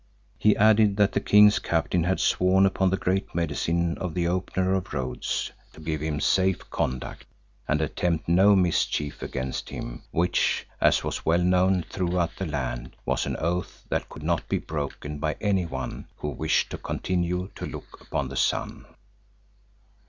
He added that the King's captain had sworn upon the Great Medicine of the Opener of Roads to give him safe conduct and attempt no mischief against him which, as was well known throughout the land, was an oath that could not be broken by anyone who wished to continue to look upon the sun.